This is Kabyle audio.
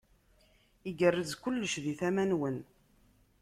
Igerrez kullec di tama-nwen.